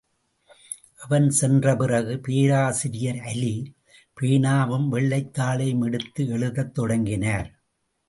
அவன் சென்ற பிறகு பேராசிரியர் அலி, பேனாவும் வெள்ளைத் தாளையும் எடுத்து எழுதத் தொடங்கினார்.